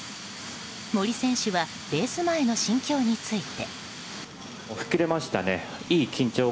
森選手はレース前の心境について。